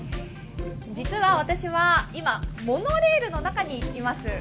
実は私は今、モノレールの中にいます。